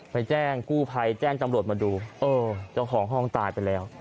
แจ้งกู้ภัยแจ้งจำรวจมาดูเออเจ้าของห้องตายไปแล้ว